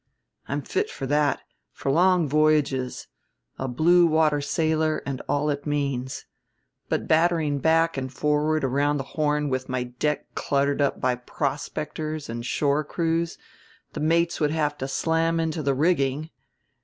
"I'm fit for that, for long voyages, a blue water sailor and all it means; but battering back and forward round the Horn with my deck cluttered up by prospectors and shore crews the mates would have to slam into the rigging